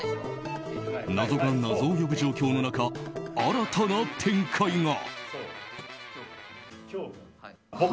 謎が謎を呼ぶ状況の中新たな展開が。